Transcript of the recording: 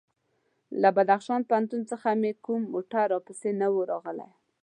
له بدخشان پوهنتون څخه هم کوم موټر راپسې نه و راغلی.